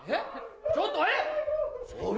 ちょっとあれ？